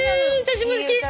私も好き。